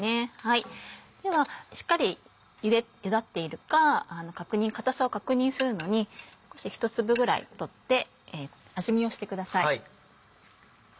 ではしっかりゆだっているか硬さを確認するのに１粒ぐらい取って味見をしてください。